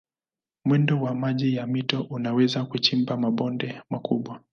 Mwendo wa maji ya mito unaweza kuchimba mabonde makubwa.